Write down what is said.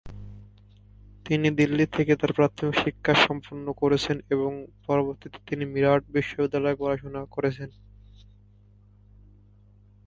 তিনি দিল্লি থেকে তাঁর প্রাথমিক শিক্ষা সম্পন্ন করেছেন এবং পরবর্তীতে তিনি মিরাট বিশ্ববিদ্যালয়ে পড়াশোনা করেছেন।